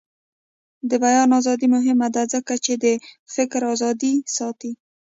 د بیان ازادي مهمه ده ځکه چې د فکر ازادي ساتي.